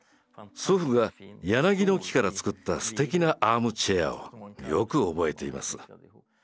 祖父が柳の木からつくったすてきなアームチェアをよく覚えています。